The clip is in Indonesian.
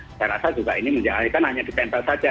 saya rasa juga ini menjalankan hanya di pentel saja